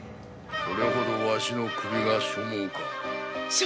それほどわしの首が所望か。